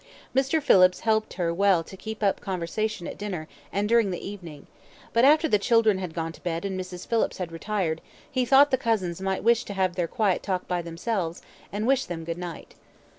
Mr. Phillips helped her well to keep up conversation at dinner and during the evening, but after the children had gone to bed and Mrs. Phillips had retired, he thought the cousins might wish to have their quiet talk by themselves, and wished them good night.